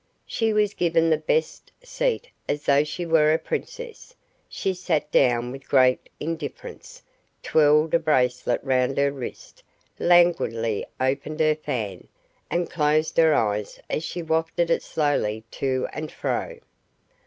She was given the best seat as though she were a princess. She sat down with great indifference, twirled a bracelet round her wrist, languidly opened her fan, and closed her eyes as she wafted it slowly to and fro.